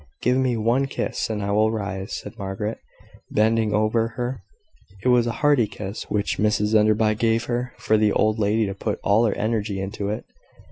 "Give me one kiss, and I will rise," said Margaret, bending over her. It was a hearty kiss which Mrs Enderby gave her, for the old lady put all her energy into it.